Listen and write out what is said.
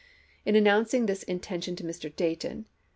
In announcing this intention to Mr. Dayton, Nov.